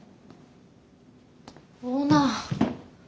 オーナー。